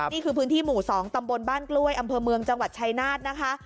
นี่คือพื้นที่หมู่๒ตำบลบ้านกล้วยอำเภอเมืองจังหวัดชายนาฏนะคะ